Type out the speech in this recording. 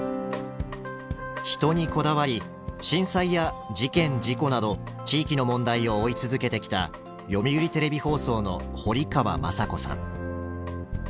人にこだわり震災や事件事故など地域の問題を追い続けてきた読売テレビ放送の堀川雅子さん。